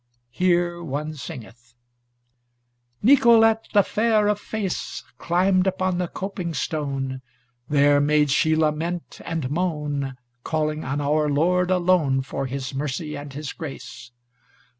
Here one singeth: Nicolete, the fair of face, Climbed upon the coping stone, There made she lament and moan Calling on our Lord alone For his mercy and his grace.